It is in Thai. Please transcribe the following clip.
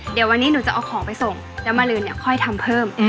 เดี๋ยววันนี้หนูจะเอาของไปส่งแล้วมาลืนเนี่ยค่อยทำเพิ่ม